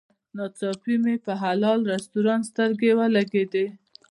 ناڅاپي مې پر حلال رسټورانټ سترګې ولګېدې.